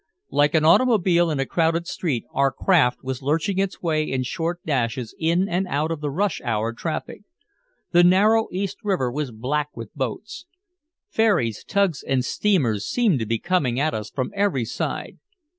Like an automobile in a crowded street our craft was lurching its way in short dashes in and out of the rush hour traffic. The narrow East River was black with boats. Ferries, tugs and steamers seemed to be coming at us from every side.